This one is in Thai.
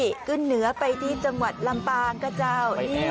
สู่เนื้อไปที่จังหวัดลำเปา